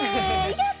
やった！